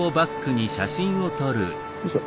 よいしょ。